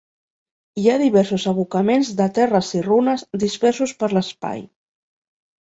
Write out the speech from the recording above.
Hi ha diversos abocaments de terres i runes dispersos per l'espai.